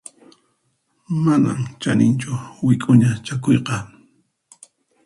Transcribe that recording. Manan chaninchu wik'uña chakuyqa.